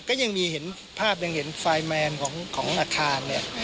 ก็ยังมีเห็นภาพยังเห็นไฟล์แมนของอาคารเนี่ย